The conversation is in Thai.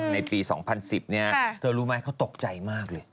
ในปี๒๐๑๐นี้เธอรู้มั้ยเขาตกใจมากเลย